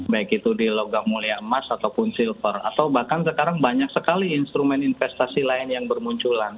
baik itu di logam mulia emas ataupun silver atau bahkan sekarang banyak sekali instrumen investasi lain yang bermunculan